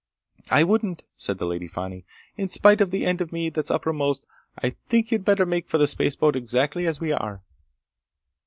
"I wouldn't," said the Lady Fani. "In spite of the end of me that's uppermost, I think you'd better make for the spaceboat exactly as we are."